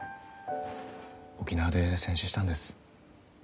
沖縄で戦死したんです。